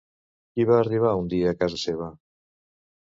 Qui va arribar un dia a casa seva?